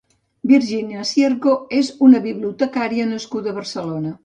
Virginia Cierco és una bibliotecària nascuda a Barcelona.